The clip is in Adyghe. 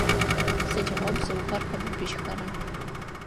Сыдигъо бзыухэр къэбыбыжьхэра?